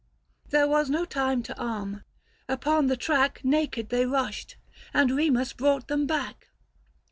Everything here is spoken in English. There was no time to arm : upon the track 380 Naked they rushed ; and Remus brought them back.